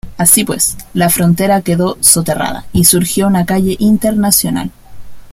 Así pues, la frontera quedó soterrada, y surgió una calle internacional.